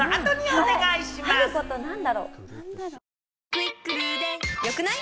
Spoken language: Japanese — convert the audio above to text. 「『クイックル』で良くない？」